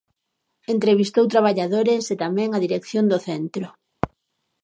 Entrevistou traballadores e tamén a dirección do centro.